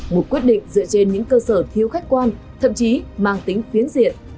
một quyết định dựa trên những cơ sở thiếu khách quan thậm chí mang tính phiến diện